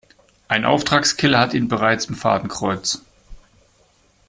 Ein Auftragskiller hat ihn bereits im Fadenkreuz.